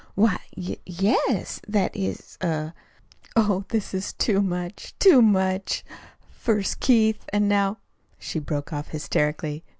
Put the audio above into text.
"Why, y yes; that is er " "Oh, this is too much, too much! First Keith, and now " She broke off hysterically.